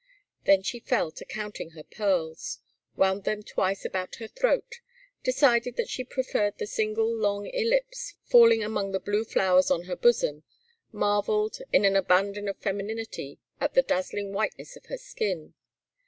Then she fell to counting her pearls, wound them twice about her throat, decided that she preferred the single long ellipse falling among the blue flowers on her bosom, marvelled, in an abandon of femininity, at the dazzling whiteness of her skin.